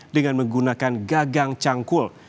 dengan menggunakan gagang cangkul